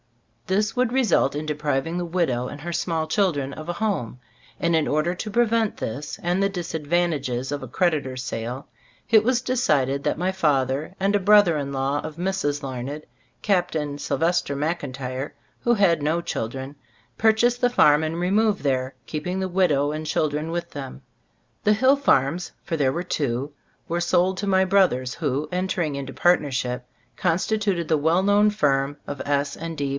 This would result in depriving the widow and her small children of a home, and in order to prevent this, and the disadvantages of a cred itor's sale, it was decided that my father and a brother in law of Mrs, Cbe Stotis of Osv Gbttobooft 49 Lamed, Captain Sylvester Mclntire, who had no children, purchase the farm, and remove there, keeping the widow and children with them. The hill farms — for there were two — were sold to my brothers, who, en tering into partnership, constituted the well known firm of S. & D.